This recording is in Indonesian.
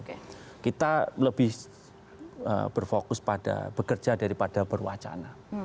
kita lebih berfokus pada bekerja daripada berwacana